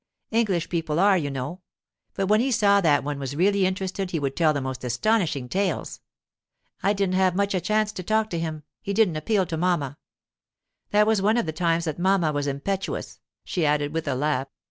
English people are, you know. But when he saw that one was really interested he would tell the most astonishing tales. I didn't have much chance to talk to him—he didn't appeal to mamma. That was one of the times that mamma was impetuous,' she added with a laugh.